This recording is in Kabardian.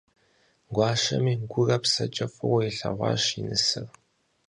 Гуащэми - гурэ псэкӀэ фӀыуэ илъэгъуащ и нысэр.